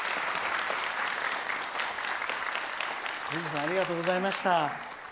グジーさんありがとうございました。